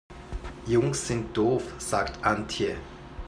Jungs sind doof, sagt Antje.